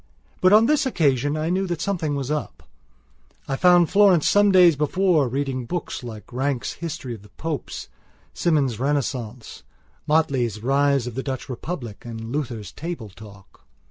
But on this occasion I knew that something was up. I found Florence some days before, reading books like Ranke's History of the Popes, Symonds' Renaissance, Motley's Rise of the Dutch Republic and Luther's Table Talk.